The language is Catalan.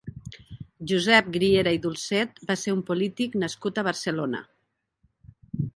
Josep Griera i Dulcet va ser un polític nascut a Barcelona.